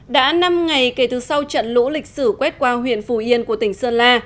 đã năm ngày kể từ sau trận lũ lịch sử quét qua huyện phù yên của tỉnh sơn la